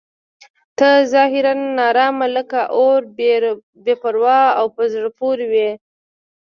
ته ظاهراً ناارامه لکه اور بې پروا او په زړه پورې وې.